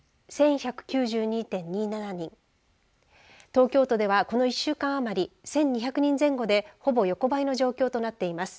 東京都ではこの１週間余り１２００人前後でほぼ横ばいの状況となっています。